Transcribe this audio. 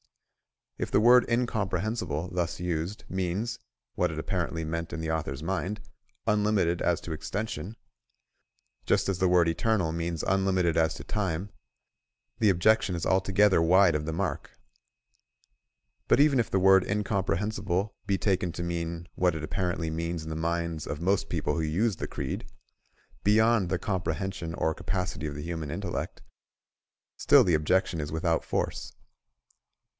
If the word incomprehensible, thus used, means (what it apparently meant in the author's mind) unlimited as to extension, just as the word eternal means unlimited as to time, the objection is altogether wide of the mark.. But even if the word incomprehensible be taken to mean (what it apparently means in the minds of most people who use the creed) beyond the comprehension or capacity of the human intellect, still the objection is without force.